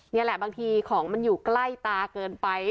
นี่แหละบางทีของมันอยู่ใกล้ตาเกินไป